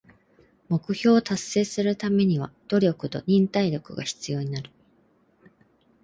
目標を達成するためには努力と忍耐力が必要になる。